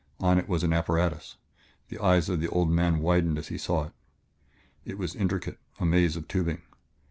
On it was an apparatus; the eyes of the older man widened as he saw it. It was intricate a maze of tubing.